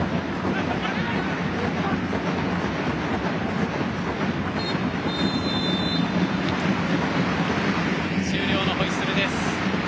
前半終了のホイッスルです。